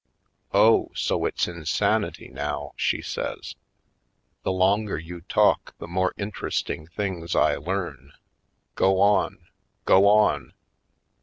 "Oh, so it's insanity now!" she says. "The longer you talk the more interesting things I learn. Go on — go on!"